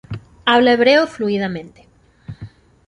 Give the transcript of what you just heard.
Habla hebreo fluidamente.